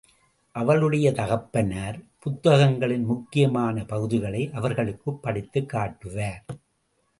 அவளுடைய தகப்பனார், புத்தகங்களின் முக்கியமான பகுதிகளை அவர்களுக்குப் படித்துக் காட்டுவார்.